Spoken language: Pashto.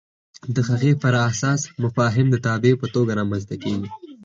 د هغې پر اساس مفاهیم د تابع په توګه رامنځته کېږي.